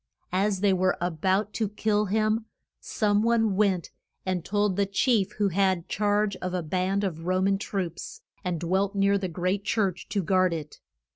As they were a bout to kill him, some one went and told the chief who had charge of a band of Ro man troops, and dwelt near the great church to guard it.